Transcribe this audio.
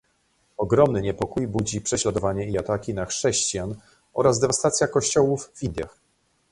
Ogromny niepokój budzi prześladowanie i ataki na chrześcijan oraz dewastacja kościołów w Indiach